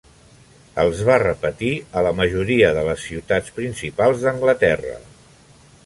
Els va repetir a la majoria de les ciutats principals d'Anglaterra.